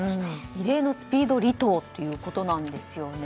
異例のスピード離党ということですよね。